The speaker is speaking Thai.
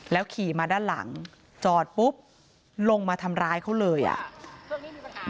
ขี่มาด้านหลังจอดปุ๊บลงมาทำร้ายเขาเลยอ่ะ